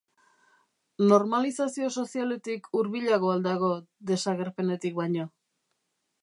Normalizazio sozialetik hurbilago al dago desagerpenetik baino?